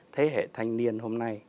thế hệ thanh niên hôm nay